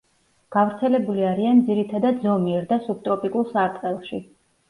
გავრცელებული არიან ძირითადად ზომიერ და სუბტროპიკულ სარტყელში.